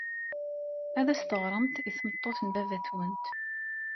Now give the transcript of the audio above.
Ad as-teɣremt i tmeṭṭut n baba-twent.